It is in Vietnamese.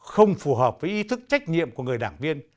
không phù hợp với ý thức trách nhiệm của người đảng viên